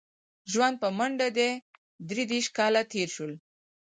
ژوند په منډه دی درې دېرش کاله تېر شول.